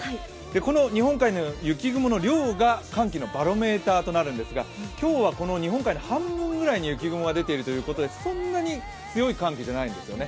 この日本海の雪雲の量が寒気のバロメーターになるんですが、今日はこの日本海の半分ぐらいに雪雲が出ているということでそんなに強い寒気ではないんですよね。